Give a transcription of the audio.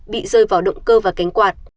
bị rơi vào động cơ và cánh quạt